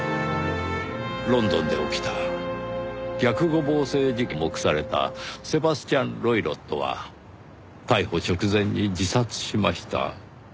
ロンドンで起きた逆五芒星事件の犯人と目されたセバスチャン・ロイロットは逮捕直前に自殺しました。